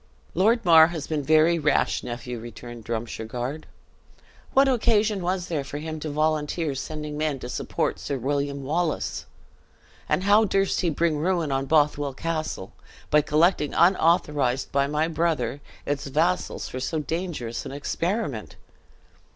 "Lord Mar has been very rash, nephew," returned Drumshargard. "What occasion was there for him to volunteer sending men to support Sir William Wallace? and how durst he bring ruin on Bothwell Castle, by collecting unauthorized by my brother, its vassals for so dangerous an experiment?"